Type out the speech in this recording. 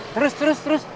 terus terus terus